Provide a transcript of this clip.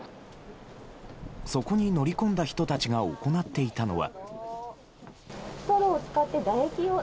そこに乗り込んだ人たちが行っていたのは。